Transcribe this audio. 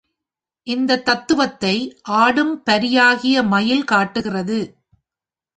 இந்தத் தத்துவத்தை ஆடும் பரியாகிய மயில் காட்டுகிறது.